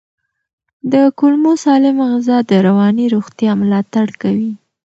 د کولمو سالمه غذا د رواني روغتیا ملاتړ کوي.